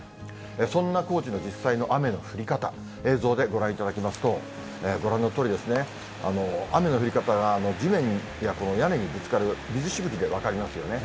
そんな高知の実際の雨の降り方、映像でご覧いただきますと、ご覧のとおりですね、雨の降り方が地面や屋根にぶつかる水しぶきで分かりますよね。